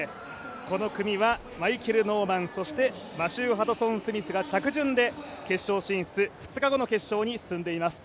この組はマイケル・ノーマン、そしてマシュー・ハドソン・スミスが着順で決勝進出２日後の決勝に進んでいます。